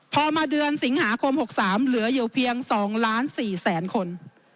พอมาเดือนสิงหาคม๖๓เหลืออยู่เพียง๒ล้าน๔แสนคน